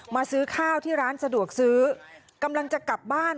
ซื้อข้าวที่ร้านสะดวกซื้อกำลังจะกลับบ้าน